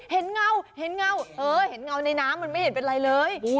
เห็นเงาในน้ำมันไม่เห็นเป็นไรเลย